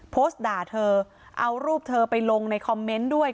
โพสต์ด่าเธอเอารูปเธอไปลงในคอมเมนต์ด้วย